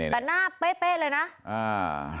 แต่หน้าเป๊ะเป๊ะเลยนะอ่า